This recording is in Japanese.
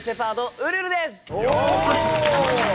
ウルルです